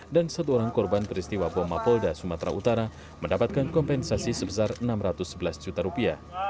dan satu orang korban peristiwa bom mapolda sumatera utara mendapatkan kompensasi sebesar enam ratus sebelas juta rupiah